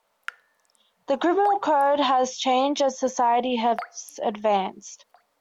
The criminal code has changed as society has advanced.